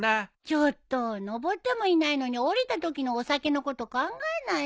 ちょっと登ってもいないのに下りたときのお酒のこと考えないでよ。